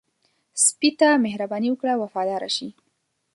سپي ته مهرباني وکړه، وفاداره شي.